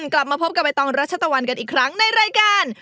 กลับมาพบกับใบตองรัชตะวันกันอีกครั้งในรายการ